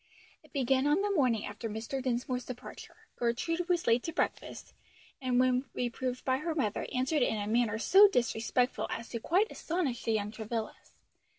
It began on the morning after Mr. Dinsmore's departure. Gertrude was late to breakfast, and when reproved by her mother answered in a manner so disrespectful as to quite astonish the young Travillas.